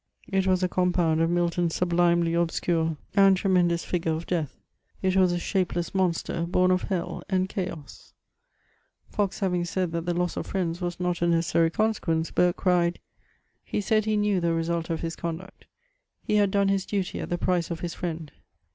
It was a com pound of Milton's suUimely obacote and tzemendooB figuze of Death. It was a shapdeas monster, bom of hell and chaos ! Fox having said that the loss of friends was not a necessary consequence, Burke cried : He said he knew the result of his conduct. He had done his duty at the price of his Mend.